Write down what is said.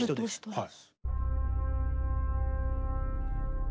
はい。